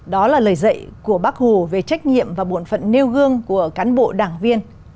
đó là lời dạy của bác hồ về trách nhiệm và bộn phận nêu gương của cán bộ đảng viên